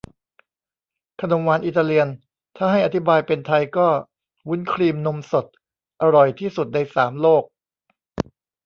ขนมหวานอิตาเลียน ถ้าให้อธิบายเป็นไทยก็ วุ้นครีมนมสด อร่อยที่สุดในสามโลก